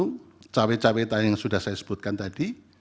kemudian ketiga cawe caweta yang sudah saya sebutkan tadi